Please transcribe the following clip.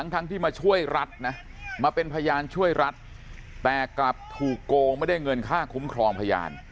ทั้งที่มาช่วยรัฐนะมาเป็นพยานช่วยรัฐแต่กลับถูกโกงไม่ได้เงินค่าคุ้มครองพยาน